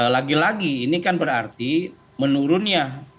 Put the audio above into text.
lagi lagi ini kan berarti menurunnya